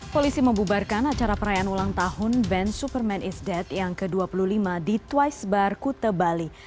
polisi membubarkan acara perayaan ulang tahun band superman is dead yang ke dua puluh lima di twice bar kute bali